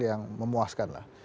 yang memuaskan lah